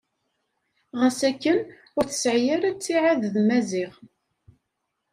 Ɣas akken ur tesɛi ara ttiɛad d Maziɣ.